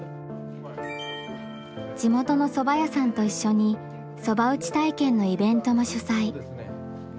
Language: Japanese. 地元のそば屋さんと一緒にそば打ち体験のイベントも主催。